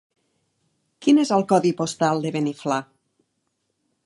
Quin és el codi postal de Beniflà?